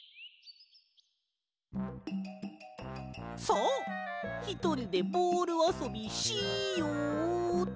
さあひとりでボールあそびしよっと！